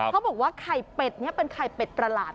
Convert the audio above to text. เขาบอกว่าไข่เป็ดเป็นไข่เป็ดตลาด